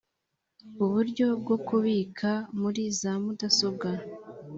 uburyo bwo kubika muri za mudasobwa